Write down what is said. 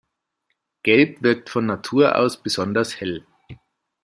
Gelb wirkt von Natur aus besonders hell.